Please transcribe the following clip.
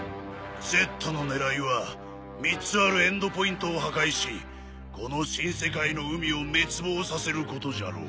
Ｚの狙いは３つあるエンドポイントを破壊しこの新世界の海を滅亡させることじゃろう。